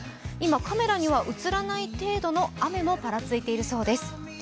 今、カメラには映らない程度の雨もぱらついているそうです。